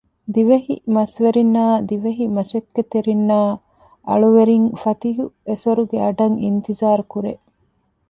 ދިވެހި މަސްވެރިންނާއި ދިވެހި މަސައްކަތްތެރިންނާއި އަޅުވެރިން ފަތިހު އެސޮރުގެ އަޑަށް އިންތިޒާރު ކުރޭ